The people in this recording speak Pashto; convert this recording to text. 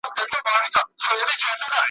چي حکیم کړه ورنيژدې سږمو ته سوټه `